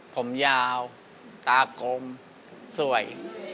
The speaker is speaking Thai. ผมยาวตากลมสวย